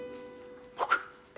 僕？